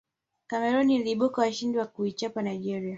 cameroon iliibuka washindi kwa kuichapa nigeria